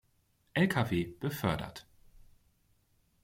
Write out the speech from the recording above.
Lkw befördert.